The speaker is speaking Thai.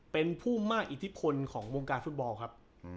เป็นผู้มากอิทธิพลของวงการฟุตบอลครับ